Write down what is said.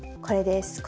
これです。